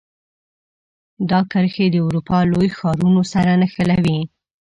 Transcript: دا کرښې د اروپا لوی ښارونو سره نښلوي.